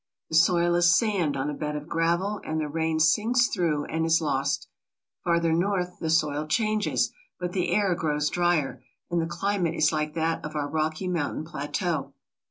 The soil is sand on a bed of gravel and the rain sinks through and is lost. Farther north the soil changes, but the air grows dryer, and the climate is like that of our Rocky Mountain Plateau.